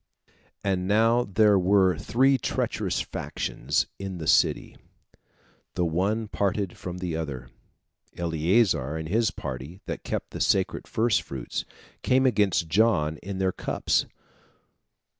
And now there were three treacherous factions in the city, the one parted from the other. Eleazar and his party, that kept the sacred first fruits, came against John in their cups.